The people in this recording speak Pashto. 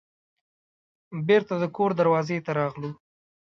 بیرته د کور دروازې ته راغلو.